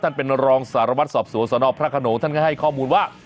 ท่านเป็นรองสารวัตรสอบสวนสนพระขนงท่านก็ให้ข้อมูลว่า